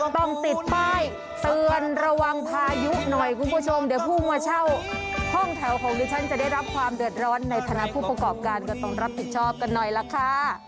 ต้องติดป้ายเตือนระวังพายุหน่อยคุณผู้ชมเดี๋ยวผู้มาเช่าห้องแถวของดิฉันจะได้รับความเดือดร้อนในฐานะผู้ประกอบการก็ต้องรับผิดชอบกันหน่อยล่ะค่ะ